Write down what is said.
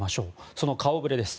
その顔触れです。